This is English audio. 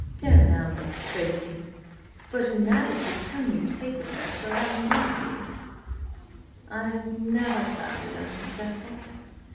"Tare an' ouns, Tracy! but an that is the tone you take with her, she'll have none of you!" "I have never found it unsuccessful."